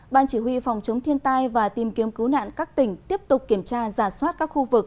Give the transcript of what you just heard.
ban chỉ huy phòng chống thiên tai và tìm kiếm cứu nạn các tỉnh tiếp tục kiểm tra giả soát các khu vực